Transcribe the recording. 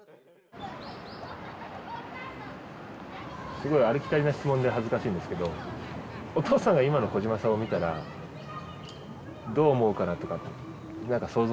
すごいありきたりな質問で恥ずかしいんですけどお父さんが今の小島さんを見たらどう思うかなとか何か想像できますか？